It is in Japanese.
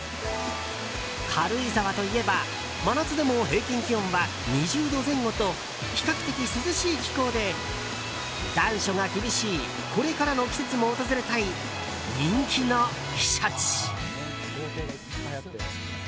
軽井沢といえば真夏でも平均気温は２０度前後と比較的涼しい気候で残暑が厳しいこれからの季節も訪れたい人気の避暑地。